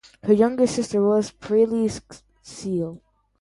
Her younger sister was Prelley Seale.